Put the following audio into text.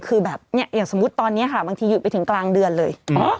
คือแบบเนี่ยอย่างสมมุติตอนนี้ค่ะบางทีหยุดไปถึงกลางเดือนเลย